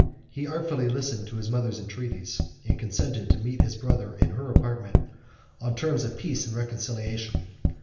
He artfully listened to his mother's entreaties, and consented to meet his brother in her apartment, on terms of peace and reconciliation.